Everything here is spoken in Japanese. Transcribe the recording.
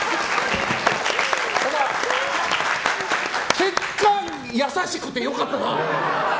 結果、優しくて良かったな。